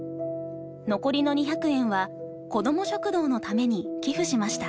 残りの２００円はこども食堂のために寄付しました。